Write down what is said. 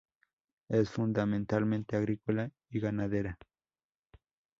Es fundamentalmente agrícola y ganadera.